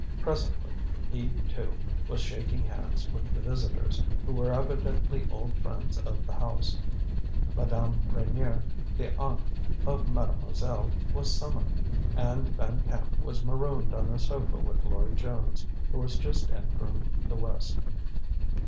Presently he, too, was shaking hands with the visitors, who were evidently old friends of the house. Madame Reynier, the aunt of mademoiselle, was summoned, and Van Camp was marooned on a sofa with Lloyd Jones, who was just in from the West.